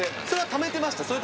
それはためてました？